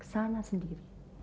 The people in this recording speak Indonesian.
ke sana sendiri